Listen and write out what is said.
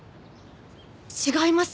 違います。